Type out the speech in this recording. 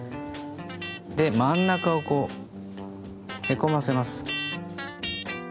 で真ん中をこうへこませます。